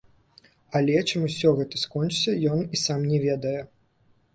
Але чым усё скончыцца, ён і сам не ведае.